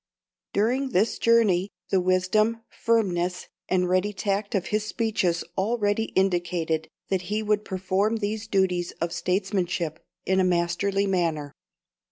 During this journey, the wisdom, firmness, and ready tact of his speeches already indicated that he would perform these duties of statesmanship in a masterly manner.